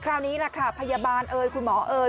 คราวนี้แหละค่ะพยาบาลเอ่ยคุณหมอเอ๋ย